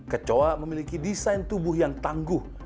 kecoa memiliki desain tubuh yang tangguh